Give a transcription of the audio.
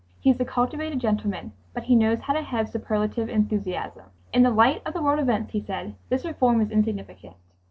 He is a cultivated gentleman, but he knows how to have superlative enthusiasm. "In the light of the world events," he said, "this reform is insignificant.